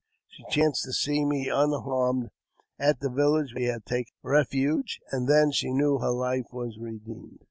She chanced to see me unharmed at the village where she had taken refuge, and then she knew her life was redeemed.